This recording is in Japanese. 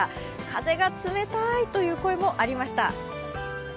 風が冷たいという声もありました。